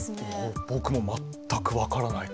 僕も全く分からないかも。